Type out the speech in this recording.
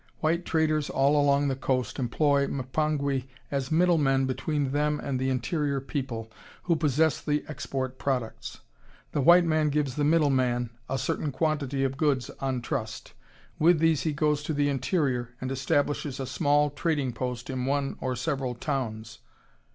White traders all along the coast employ the Mpongwe as middlemen between them and the interior people, who possess the export products. The white man gives the middleman a certain quantity of goods on trust. With these he goes to the interior and establishes a small trading post in one or several towns....